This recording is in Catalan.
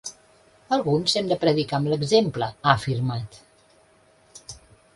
Alguns hem de predicar amb l’exemple, ha afirmat.